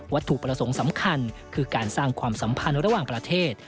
ถูกประสงค์สำคัญคือการสร้างความสัมพันธ์ระหว่างประเทศ